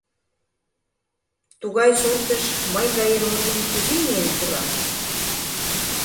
Тугай суртыш мый гаем оръеҥ кузе миен пура?